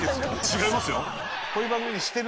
違いますよ。